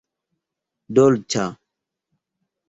dolĉa